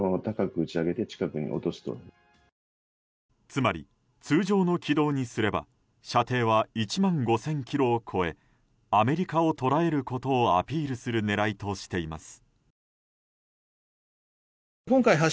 つまり、通常の軌道にすれば射程は１万５０００ｋｍを超えアメリカを捉えることをアピールする狙いとしています。